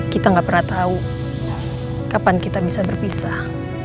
kita gak pernah tahu kapan kita bisa berpisah